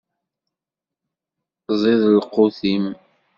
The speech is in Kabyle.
Ẓid lqut-im.